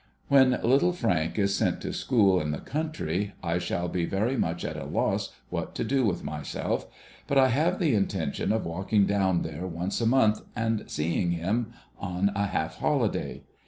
When Little Frank is sent to school in the country, I shall be very much at a loss what to do with myself, but I have the intention of walking down there once a month and seeing him on a half holiday.